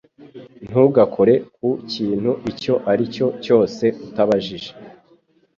Ntugakore ku kintu icyo ari cyo cyose utabajije